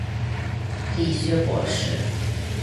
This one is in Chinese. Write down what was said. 理学博士。